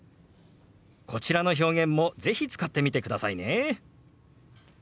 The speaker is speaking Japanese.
こちらの表現も是非使ってみてくださいね。